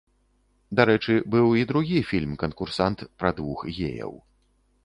Дарэчы, быў і другі фільм-канкурсант пра двух геяў.